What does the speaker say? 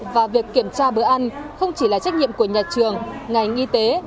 và việc kiểm tra bữa ăn không chỉ là trách nhiệm của nhà trường ngành y tế